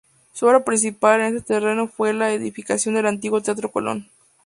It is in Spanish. Su obra principal en este terreno fue la edificación del antiguo Teatro Colón.